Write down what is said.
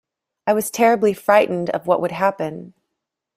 I was terribly frightened of what would happen.